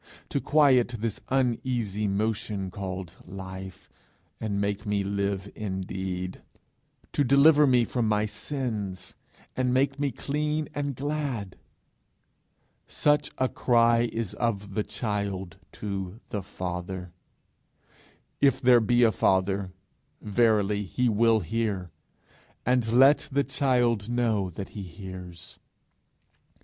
to quiet this uneasy motion called life, and make me live indeed? to deliver me from my sins, and make me clean and glad? Such a cry is of the child to the Father: if there be a Father, verily he will hear, and let the child know that he hears!